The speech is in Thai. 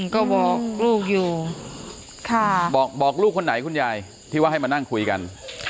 ก็บอกลูกอยู่บอกลูกคนไหนคุณยายที่ว่าให้มานั่งคุยกัน